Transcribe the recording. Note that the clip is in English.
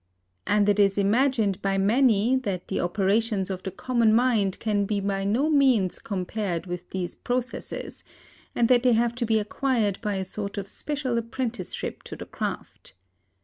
And it is imagined by many, that the operations of the common mind can be by no means compared with these processes, and that they have to be acquired by a sort of special apprenticeship to the craft.